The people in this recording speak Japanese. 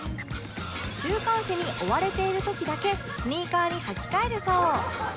週刊誌に追われている時だけスニーカーに履き替えるそう